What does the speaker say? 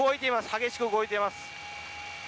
激しく動いています。